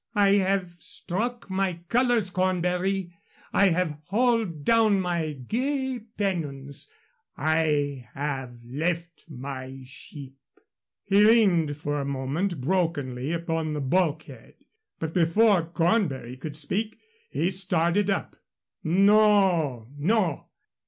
I have struck my colors, Cornbury. I have hauled down my gay pennons. I have left my ship." He leaned for a moment brokenly upon the bulkhead. But before Cornbury could speak he started up. "No, no.